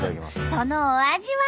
そのお味は？